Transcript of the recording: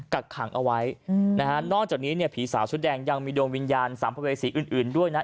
กักขังเอาไว้นอกจากนี้ผีสาวชุดแดงยังมีโดนวิญญาณสามประเภทสีอื่นด้วยนะ